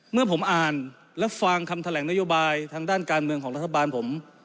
เมื่อผมอ่านและฟังคำแถลงนโยบายทางด้านการเมืองของรัฐบาลผม